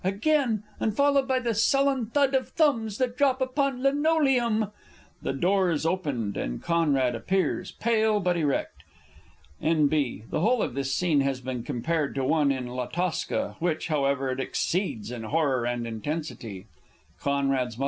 Again! and followed by the sullen thud Of thumbs that drop upon linoleum!... [The door is opened and CONRAD appears, pale but erect. N.B. The whole of this scene has been compared to one in "La Tosca" which, however, it exceeds in horror and intensity. _C.'s M.